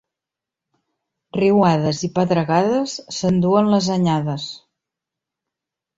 Riuades i pedregades s'enduen les anyades.